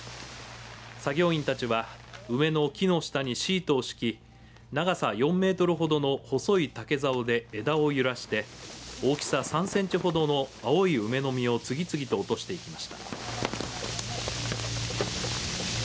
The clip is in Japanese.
作業員たちは、梅の木の下にシートを敷き長さ４メートルほどの細い竹ざおで枝を揺らして大きさ３センチほどの青い梅の実を次々と落としていきました。